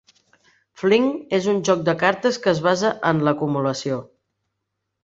Flinch és un joc de cartes que es basa en l'acumulació.